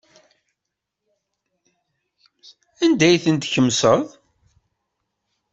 Anda ay ten-tkemseḍ?